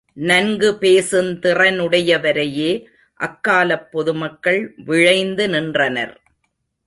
நன்கு பேசுந் திறனுடையவரையே அக்காலப் பொதுமக்கள் விழைந்து நின்றனர்.